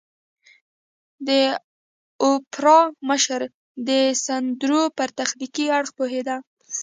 د اوپرا مشر د سندرو پر تخنيکي اړخ پوهېده.